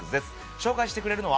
紹介してくれるのは。